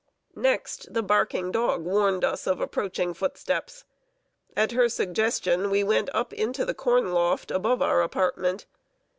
Next, the barking dog warned us of approaching footsteps. At her suggestion, we went up into the corn loft, above our apartment.